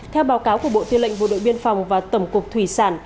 theo báo cáo của bộ tư lệnh bộ đội biên phòng và tổng cục thủy sản